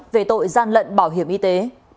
về tội gian lận bảo hiểm y tế